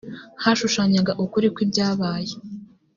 hashushanyaga ukuri kw’ibyabaye